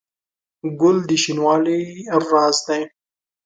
ګل د شینوالي راز دی.